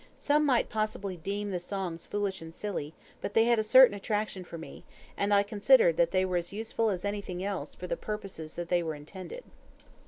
Some might possibly deem the songs foolish and silly, but they had a certain attraction for me, and I considered that they were as useful as anything else for the purposes they were intended.